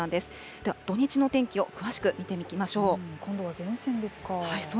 では、土日の天気を詳しく見ていきましょう。